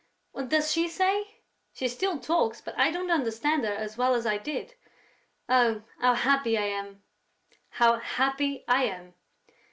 What does she say?... She still talks, but I don't understand her as well as I did.... Oh, how happy I am, how happy I am!..."